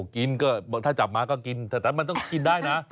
กินก็บอกถ้าจับมาก็กินแต่มันต้องกินได้นะ